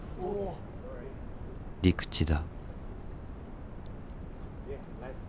陸地だ。